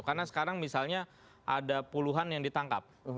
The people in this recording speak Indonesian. karena sekarang misalnya ada puluhan yang ditangkap